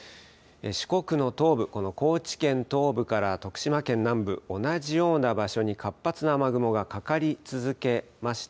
四国の東部、高知県東部から徳島県南部、同じような場所に活発な雨雲がかかり続けました。